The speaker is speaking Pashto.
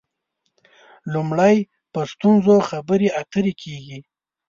لومړی په ستونزو خبرې اترې کېږي.